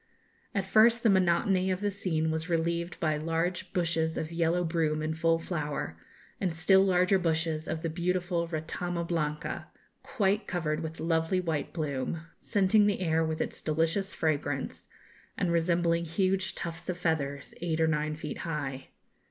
At first the monotony of the scene was relieved by large bushes of yellow broom in full flower, and still larger bushes of the beautiful Retama blanca, quite covered with lovely white bloom, scenting the air with its delicious fragrance, and resembling huge tufts of feathers, eight or nine feet high.